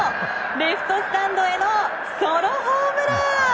レフトスタンドへのソロホームラン！